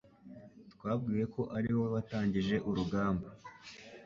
Twabwiwe ko ari wowe watangije urugamba